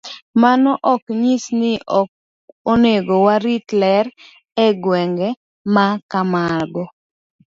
Mano ok nyis ni ok onego warit ler e gwenge ma kamago.